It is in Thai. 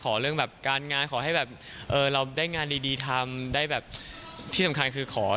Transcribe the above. เรื่องแบบการงานขอให้แบบเราได้งานดีทำได้แบบที่สำคัญคือขอ